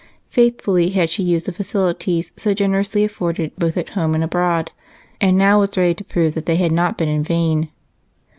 Faithfully had she used the facilities so generously afforded both at home and abroad and now was ready to prove that they had not been in vain.